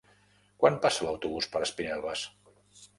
Quan passa l'autobús per Espinelves?